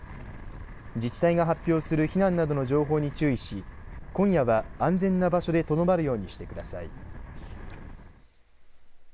自治体が発表する避難などの情報に注意し今夜は安全な場所でとどまるようにしてください。